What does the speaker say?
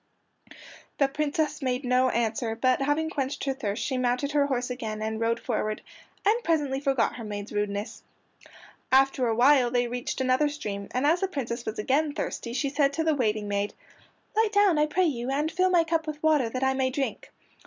The Princess made no answer, but having quenched her thirst she mounted her horse again and rode forward, and presently forgot her maid's rudeness. After awhile they reached another stream, and as the Princess was again thirsty, she said to the waiting maid, "Light down, I pray you, and fill my cup with water, that I may drink."